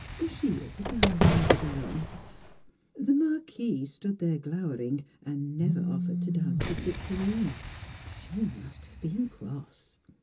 She is a darling, the Baronne! The Marquis stood there glowering, and never offered to dance with Victorine; she must have been cross!